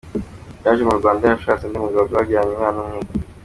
Yaje mu Rwanda yarashatse undi mugabo babyaranye umwana umwe.